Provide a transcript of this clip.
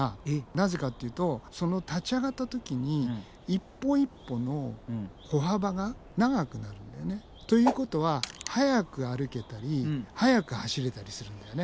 なぜかっていうとその立ち上がった時に一歩一歩の歩幅が長くなるんだよね。ということは速く歩けたり速く走れたりするんだよね。